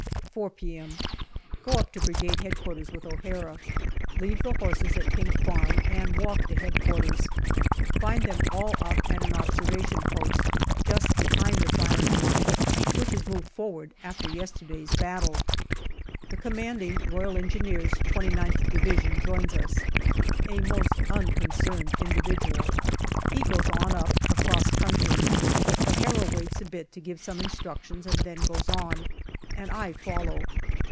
4 p.m. Go up to Brigade H.Q. with O'Hara leave the horses at Pink Farm and walk to H.Q. Find them all up at an observation post, just behind the firing line, which has moved forward after yesterday's battle. The C.R.E. 2Qth Division joins us. A most unconcerned JUNE 123 individual. He goes on up across country. O'Hara waits a bit to give some instructions and then goes on, and I follow.